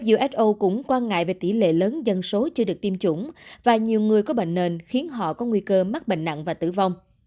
uso cũng quan ngại về tỷ lệ lớn dân số chưa được tiêm chủng và nhiều người có bệnh nền khiến họ có nguy cơ mắc bệnh nặng và tử vong